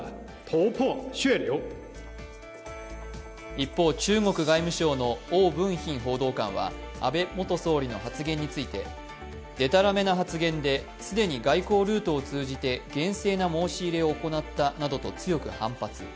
一方、中国外務省の汪文斌報道官は安倍元総理の発言について、でたらめな発言で既に外交ルートを通じて厳正な申し入れを行ったなどと強く反発。